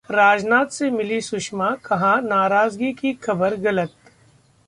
राजनाथ से मिलीं सुषमा, कहा- नाराजगी की खबर गलत